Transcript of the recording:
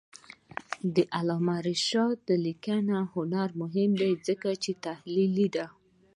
د علامه رشاد لیکنی هنر مهم دی ځکه چې تحلیلي دی.